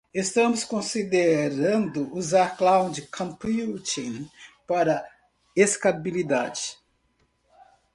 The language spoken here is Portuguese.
Estamos considerando usar cloud computing para escalabilidade.